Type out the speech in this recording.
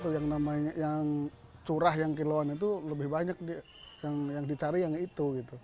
yang namanya yang curah yang kiloan itu lebih banyak yang dicari yang itu